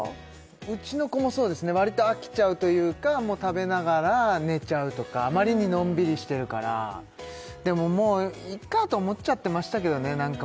うちの子もそうですね割と飽きちゃうというか食べながら寝ちゃうとかあまりにのんびりしてるからでも「もういいか」と思っちゃってましたけどね